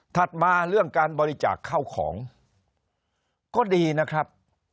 มาเรื่องการบริจาคเข้าของก็ดีนะครับ